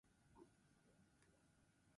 Asteartean negu giroa bueltatuko da gurera.